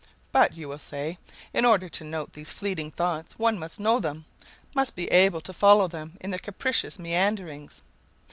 'But,' you will say, 'in order to note these fleeting thoughts one must know them, must be able to follow them in their capricious meanderings.'